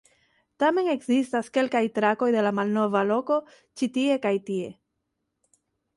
Tamen ekzistas kelkaj trakoj de la malnova loko, ĉi tie kaj tie.